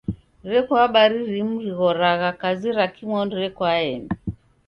Reko habari rimu righoragha kazi ra kimonu rekoaeni.